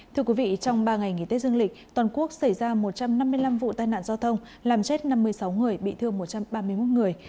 thưa quý vị trong ba ngày nghỉ tết dương lịch toàn quốc xảy ra một trăm năm mươi năm vụ tai nạn giao thông làm chết năm mươi sáu người bị thương một trăm ba mươi một người